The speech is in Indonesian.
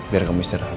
biar kamu istirahat